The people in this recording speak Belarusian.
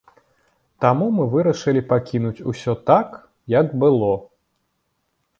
Таму мы вырашылі пакінуць усё так, як было.